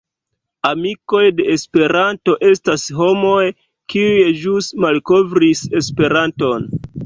Amikoj de Esperanto estas homoj, kiuj ĵus malkovris Esperanton.